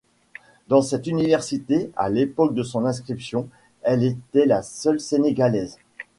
Dans cette université, à l’époque de son inscription, elle était la seule sénégalaise.